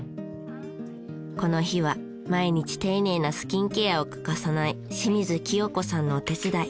この日は毎日丁寧なスキンケアを欠かさない清水清子さんのお手伝い。